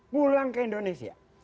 pulang ke indonesia